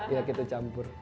ya gitu campur